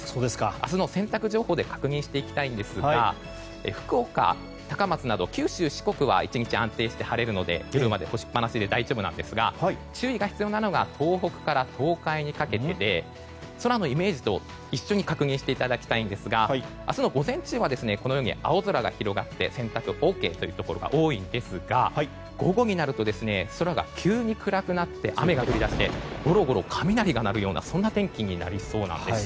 明日の洗濯情報で確認していきたいんですが福岡、高松など九州・四国は１日安定して晴れるので夜まで干しっぱなしで大丈夫ですが注意が必要なのが東北から東海にかけてで空のイメージと一緒に確認していただきたいんですが明日の午前中は青空が広がって洗濯ＯＫというところが多いですが午後になると空が急に暗くなって雨が降り出してゴロゴロと雷が鳴りそうな天気になりそうなんです。